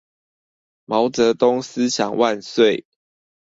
毛澤東思想萬歲